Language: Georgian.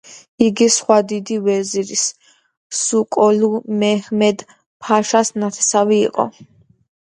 იგი სხვა დიდი ვეზირის, სოკოლუ მეჰმედ-ფაშას ნათესავი იყო.